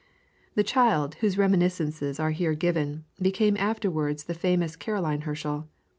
The child whose reminiscences are here given became afterwards the famous Caroline Herschel.